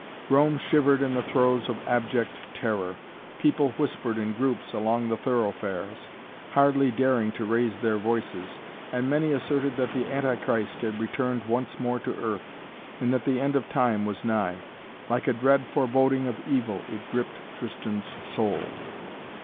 Rome shivered in the throes of abject terror. People whispered in groups along the thoroughfares, hardly daring to raise their voices, and many asserted that the Antichrist had returned once more to earth and that the End of Time was nigh. Like a dread foreboding of evil it gripped Tristan's soul.